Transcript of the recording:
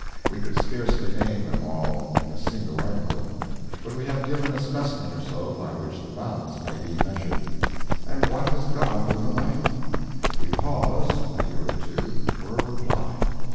We could scarcely name them all in a single article, but we have given a specimen or so by which the balance may be measured. And what has gone with the money? We pause (a year or two) for a reply.